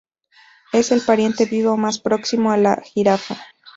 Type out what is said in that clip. Es el pariente vivo más próximo a la jirafa.